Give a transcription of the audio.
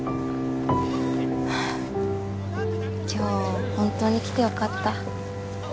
今日ホントに来てよかった。